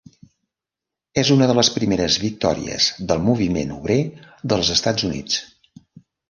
És una de les primeres victòries del moviment obrer dels Estats Units.